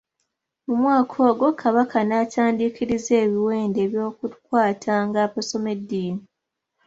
Mu mwaka ogwo, Kabaka n'atandiikiriza ebiwendo eby'okukwatanga abasoma eddiini.